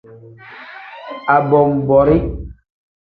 Abonboori.